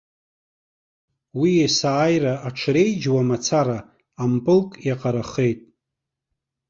Уи есааира аҽреиџьуа мацара, ампылк иаҟарахеит.